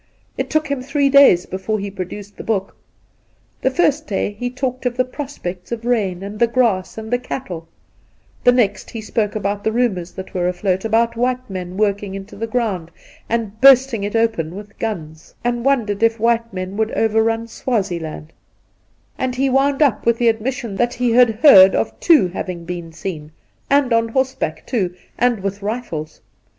It took him three days before he produced the book. The first day he talked of the prospects of rain, and the grass and the cattle ; the next he spoke about the rumours that were afloat about white men working into the ground and bursting it open with guns, and wondered if white men would overrun Swazieland; and he wound up with the admission that he had heard of two having been seen, and on horseback, too, and with rifles.